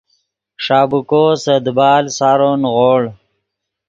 ݰابیکو سے دیبال سارو نیغوڑ